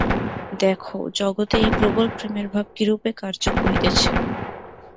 দেখ, জগতে এই প্রবল প্রেমের ভাব কিরূপে কার্য করিতেছে।